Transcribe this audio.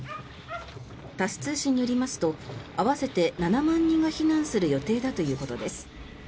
タス通信によりますと合わせて７万人が避難する予定だということです。